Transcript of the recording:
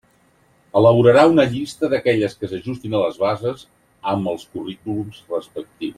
Elaborarà una llista d'aquelles que s'ajustin a les bases, amb els currículums respectius.